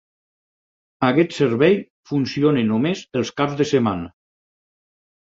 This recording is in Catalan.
Aquest servei funciona només els caps de setmana.